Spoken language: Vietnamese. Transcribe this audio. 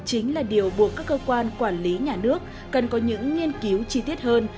chính là điều buộc các cơ quan quản lý nhà nước cần có những nghiên cứu chi tiết hơn